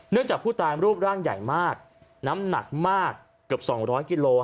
จากผู้ตายรูปร่างใหญ่มากน้ำหนักมากเกือบ๒๐๐กิโล